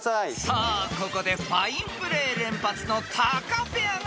［さあここでファインプレー連発のタカペアがトップに］